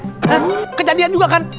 dan kejadian juga kan